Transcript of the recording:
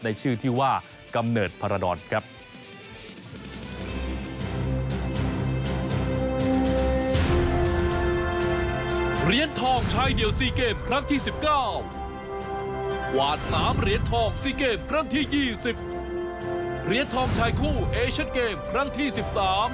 ในชื่อที่ว่ากำเนิดพรดรครับ